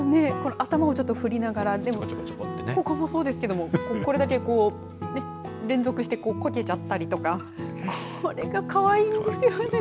頭をちょっと振りながらここもそうですけどこれだけこう連続してこけちゃったりとかこれがかわいいんですよね。